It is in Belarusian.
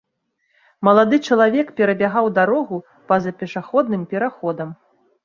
Малады чалавек перабягаў дарогу па-за пешаходным пераходам.